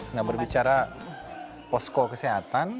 nah berbicara posko kesehatan